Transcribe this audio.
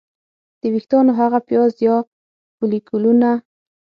د ویښتانو هغه پیاز یا فولیکولونه